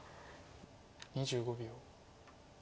２５秒。